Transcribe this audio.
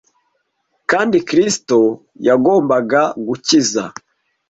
Kandi Kristo yagombaga gukiza.